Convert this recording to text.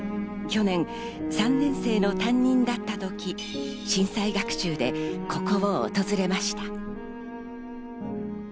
去年３年生の担任だった時、震災学習でここを訪れました。